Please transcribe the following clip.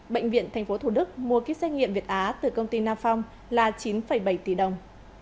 bệnh viện tp thủ đức mua ký xét nghiệm việt á từ công ty nam phong là chín bảy tỷ đồng